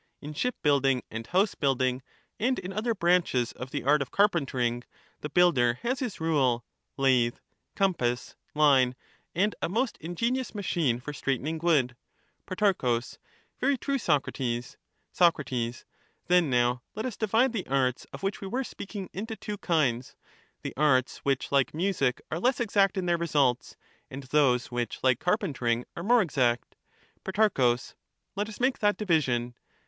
In ship building and house building, and in other branches of the art of carpentering, the builder has his rule, lathe, compass, line, and a most ingenious machine for straightening wood. Pro. Very true, Socrates. Soc. Then now let us divide the arts of which we were Arts may speaking into two kinds,— the arts which, like music, are less f^/*»^<^^ ,,'' into more exact m their results, and those which, like carpentering, are and less more exact. *^^* Pro. Let us make that division.